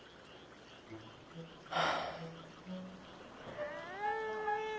はあ。